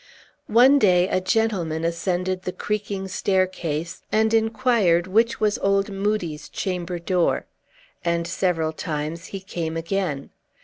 One day a gentleman ascended the creaking staircase, and inquired which was old Moodie's chamber door. And, several times, he came again.